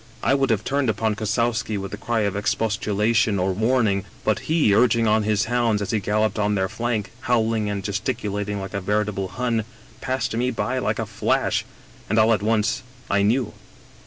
" I would have turned upon Kossowski with a cry of expostulation or warning, but he, urging on his hounds as he galloped on their flank, howling and gesticulating like a veritable Hun, passed me by like a flash — ^and all at once I knew."